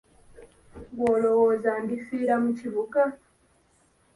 Ggw'olowooza ndifiira mu kibuga.